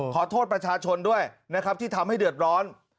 ขอโทษประชาชนด้วยนะครับที่ทำให้เดือดร้อน